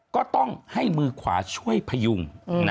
ก็ต้องให้มือขวาช่วยพยุง